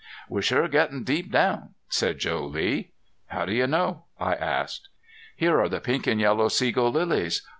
"We're sure gettin' deep down," said Joe Lee. "How do you know?" I asked. "Here are the pink and yellow sego lilies.